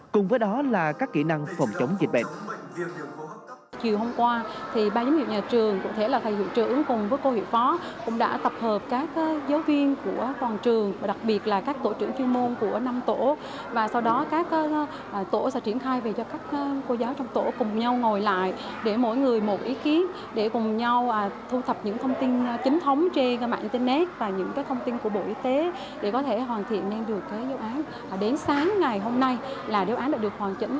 cùng với đó là các kỹ năng phòng chống dịch bệnh